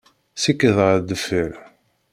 Sikked ɣer deffir!